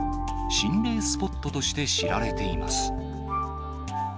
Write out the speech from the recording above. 心霊スポットとして知られています。